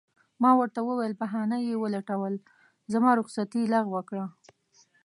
ما ورته وویل: بهانه یې ولټول، زما رخصتي یې لغوه کړه.